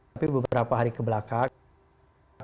tapi beberapa hari kebelakang